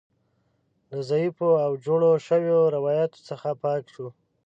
له ضعیفو او جوړو شویو روایتونو څخه پاک شو.